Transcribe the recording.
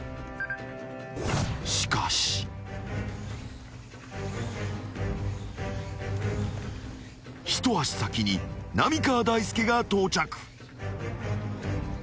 ［しかし］［一足先に浪川大輔が到着］